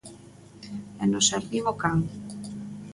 E no xardín o can..: